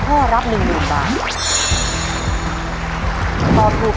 ได้มากน้อยเท่าไรมาเป็นกำลังใจกันนะครับคุณผู้ชม